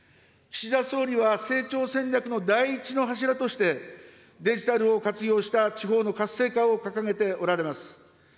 岸田総理は成長戦略の第一の柱として、デジタルを活用した地方の活性化を掲げておられます。